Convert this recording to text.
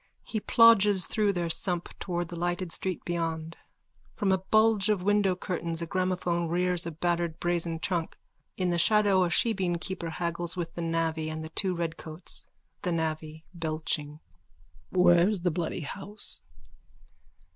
_(He plodges through their sump towards the lighted street beyond. From a bulge of window curtains a gramophone rears a battered brazen trunk. In the shadow a shebeenkeeper haggles with the navvy and the two redcoats.)_ THE NAVVY: (Belching.) Where's the bloody house?